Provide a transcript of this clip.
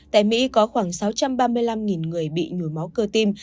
tại mỹ có khoảng sáu trăm ba mươi năm người bị nhồi máu cơ tim